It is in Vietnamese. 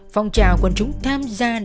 phong trào quân chúng tham gia